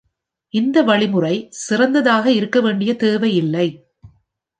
இந்த வழிமுறை சிறந்ததாக இருக்க வேண்டிய தேவையில்லை.